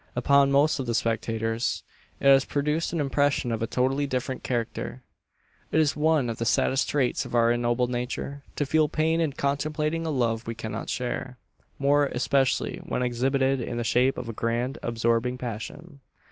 Upon most of the spectators it has produced an impression of a totally different character. It is one of the saddest traits of our ignoble nature; to feel pain in contemplating a love we cannot share more especially when exhibited in the shape of a grand absorbing passion.